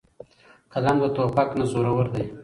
قلم د توپک نه زورور دی.